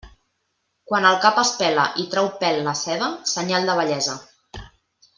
Quan el cap es pela i trau pèl la seda, senyal de vellesa.